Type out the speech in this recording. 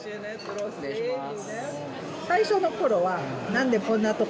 失礼します